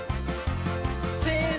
せの！